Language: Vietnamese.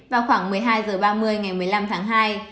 vào khoảng một mươi hai h ba mươi ngày một mươi năm tháng hai